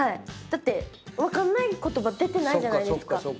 だって分かんない言葉出てないじゃないですか。